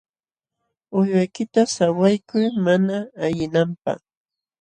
Uywaykita sawaykuy mana ayqinanpaq.